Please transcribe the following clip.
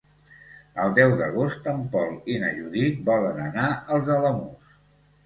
El deu d'agost en Pol i na Judit volen anar als Alamús.